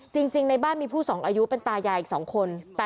จริงในบ้านมีผู้สูงอายุเป็นตายายอีก๒คน